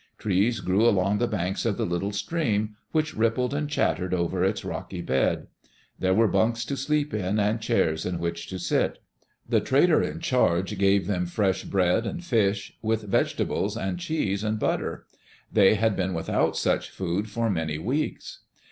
Trees grew along the banks of the little stream, which rippled and chattered over its rocky bed. There were bunks to sleep in and [ii6] Digitized by Google THE ADVENTURES OF THE WHITMANS chairs in which to sit. The trader in charge gave them fresh bread and fish, with vegetables and cheese and butter. They had been without such food for many weeks.